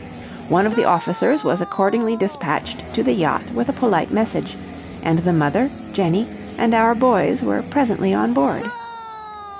One of the officers was accordingly dispatched to the yacht with a polite message, and the mother, Jenny, and the boys were presently on board.